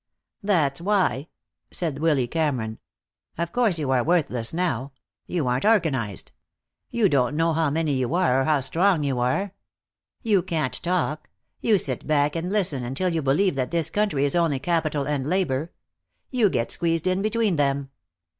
"That's why," said Willy Cameron. "Of course you are worthless now. You aren't organized. You don't know how many you are or how strong you are. You can't talk. You sit back and listen until you believe that this country is only capital and labor. You get squeezed in between them.